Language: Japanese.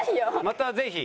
「またぜひ」。